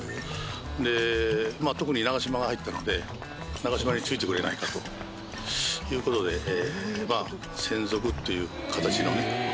で、特に長嶋が入ったので、長嶋に付いてくれないかということで、専属っていう形のね。